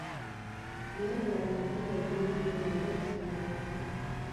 بیا بریالی هلمند له ملګرو سره راغی.